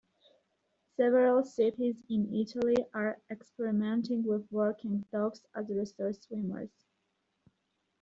Several cities in Italy are experimenting with working dogs as rescue swimmers.